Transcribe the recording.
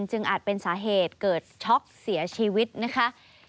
อาจเป็นสาเหตุเกิดช็อกเสียชีวิตนะคะ